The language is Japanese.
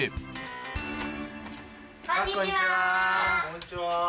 こんにちは。